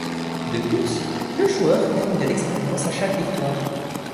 De plus, le joueur gagne de l'expérience à chaque victoire.